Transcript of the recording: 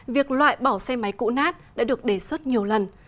việc loại bỏ xe máy cũ nát đã được đề xuất nhiều lần